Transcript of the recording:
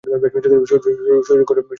শরীরের গঠন অনেক ভালো।